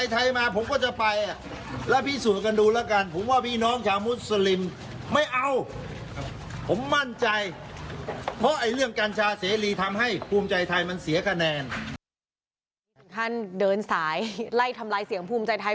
ท่านเดินสายไล่ทำลายเสียงภูมิใจไทย